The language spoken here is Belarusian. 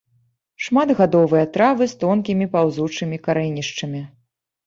Шматгадовыя травы з тонкімі паўзучымі карэнішчамі.